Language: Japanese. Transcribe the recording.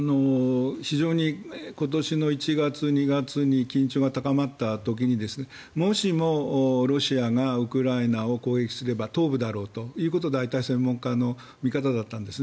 非常に今年の１月、２月に緊張が高まった時にもしもロシアがウクライナを攻撃すれば東部であろうというのが大体専門家の見方だったんです。